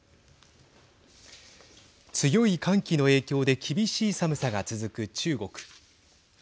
強い寒気の影響で厳しい寒さが続く中国。